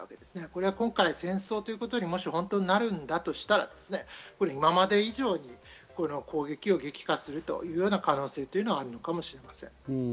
それが今回、戦争ということに本当になるんだとしたら、今まで以上に攻撃を激化するという可能性はあるのかもしれません。